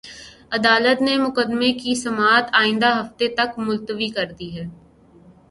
عدالت نے مقدمے کی سماعت آئندہ ہفتے تک ملتوی کر دی ہے